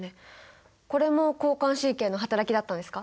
これも交感神経のはたらきだったんですか？